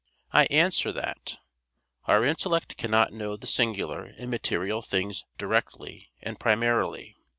I answer that, Our intellect cannot know the singular in material things directly and primarily.